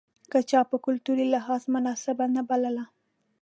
که چا په کلتوري لحاظ مناسبه نه بلله.